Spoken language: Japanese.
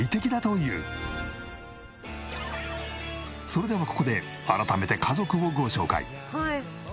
それではここで改めて家族をご紹介。